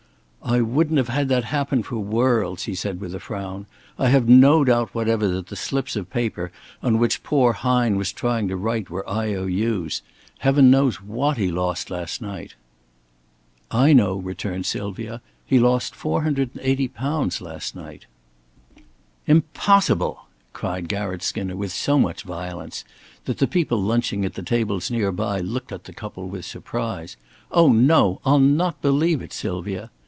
"I wouldn't have had that happen for worlds," he said, with a frown. "I have no doubt whatever that the slips of paper on which poor Hine was trying to write were I.O.U's. Heaven knows what he lost last night." "I know," returned Sylvia. "He lost £480 last night." "Impossible," cried Garratt Skinner, with so much violence that the people lunching at the tables near by looked up at the couple with surprise. "Oh, no! I'll not believe it, Sylvia."